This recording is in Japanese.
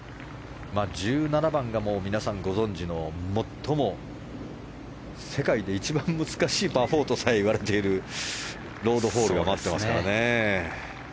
１７番が皆さんご存じの最も、世界で一番難しいパー４とさえいわれているロードホールが待っていますからね。